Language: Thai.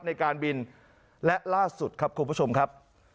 ในการบินและล่าสุดครับคุณผู้ชมครับ